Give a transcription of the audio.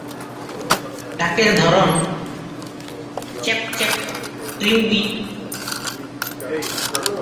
ডাকের ধরন চ্যাপ-চ্যাপ-ট্রিউয়ি।